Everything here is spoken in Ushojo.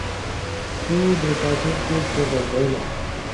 تو ڈیٹاسیٹ پیج تے بج بھئی لا